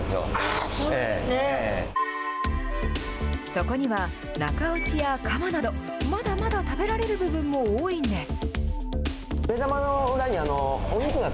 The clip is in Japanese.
そこには中落ちやカマなど、まだまだ食べられる部分も多いんです。